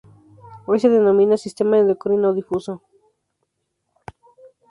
Hoy se denomina Sistema endocrino difuso.